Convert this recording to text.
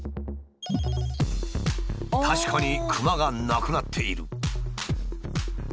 確かにクマがなくなっている。